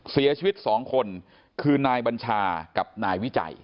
เสียชีวิต๒คนคือนายบัญชากับนายวิจัย